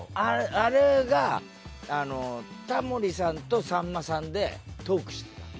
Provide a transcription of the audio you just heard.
あれがあのタモリさんとさんまさんでトークしてたの。